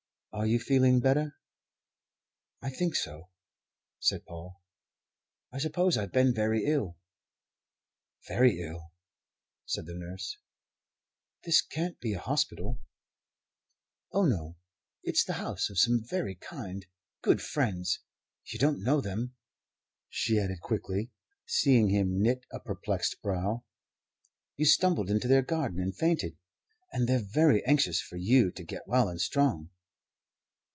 "Are you feeling better?" "I think so," said Paul. "I suppose I've been very ill." "Very ill," said the nurse. "This can't be a hospital?" "Oh, no. It's the house of some very kind, good friends. You don't know them," she added quickly, seeing him knit a perplexed brow. "You stumbled into their garden and fainted. And they're very anxious for you to get well and strong."